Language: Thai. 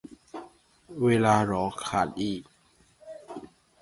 เวลา เหรอ ขาดอีก